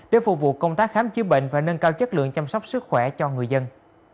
để phục vụ công tác khám chữa bệnh và nâng cao chất lượng chăm sóc sức khỏe cho người dân